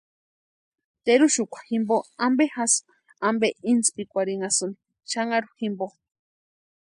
¿Teruxukwa jimpo ampe jasï ampe insïpikwarhinhasïni xanharu jimpo?